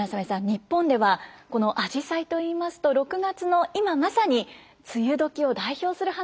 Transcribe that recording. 日本ではこのあじさいといいますと６月の今まさに梅雨時を代表する花ですよね。